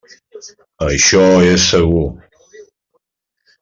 Això és segur.